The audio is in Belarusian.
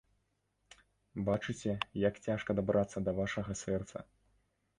Бачыце, як цяжка дабрацца да вашага сэрца.